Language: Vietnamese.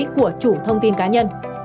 của chủ thông tin cá nhân